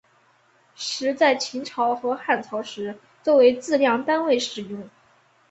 石在秦朝和汉朝时作为质量单位使用。